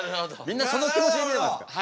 みんなその気持ちで見てますから。